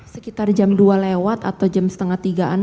sekitar jam dua lewat atau jam setengah tiga an